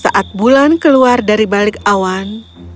saat bulan keluar dari balik awan